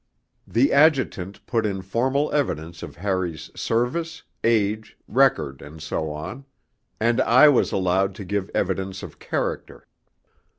The Adjutant put in formal evidence of Harry's service, age, record, and so on; and I was allowed to give evidence of character.